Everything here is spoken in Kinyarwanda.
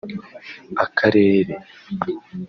Akarere)